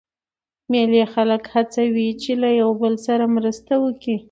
مېلې خلک هڅوي، چي له یو بل سره مرسته وکي.